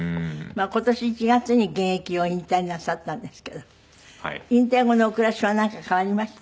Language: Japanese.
今年１月に現役を引退なさったんですけど引退後のお暮らしはなんか変わりました？